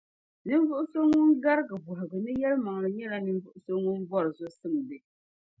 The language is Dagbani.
Ninvuɣ’ so ŋun garigi bɔhigu ni yɛlimaŋli nyɛla ninvuɣ’ so ŋun bɔri zɔsimdi.